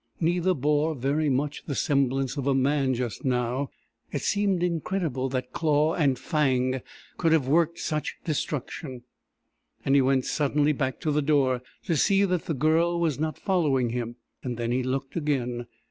Neither bore very much the semblance of a man just now it seemed incredible that claw and fang could have worked such destruction, and he went suddenly back to the door to see that the Girl was not following him. Then he looked again.